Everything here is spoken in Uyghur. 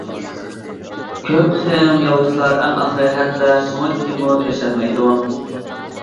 كۆپ قىسىم ياۋ ئىتلار ئەڭ ئاخىرى ھەتتا سۆڭەككىمۇ ئېرىشەلمەيدۇ.